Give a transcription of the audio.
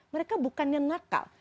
mereka bukannya nakal